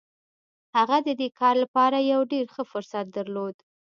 هغه د دې کار لپاره يو ډېر ښه فرصت درلود.